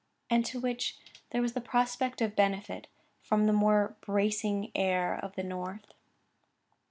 Add to which, there was the prospect of benefit from the more bracing air of the north.